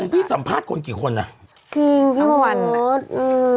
ที่สัมภาษณ์คนกี่คนจริงพี่มศ